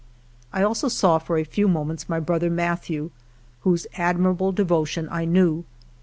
I also saw for a few moments my brother Mathieu, whose admirable devotion I knew.